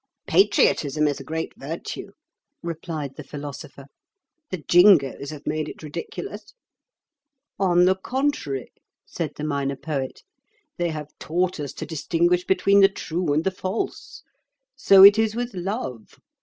"Patriotism is a great virtue," replied the Philosopher: "the Jingoes have made it ridiculous." "On the contrary," said the Minor Poet, "they have taught us to distinguish between the true and the false. So it is with love.